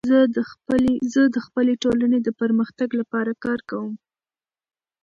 زه د خپلي ټولني د پرمختګ لپاره کار کوم.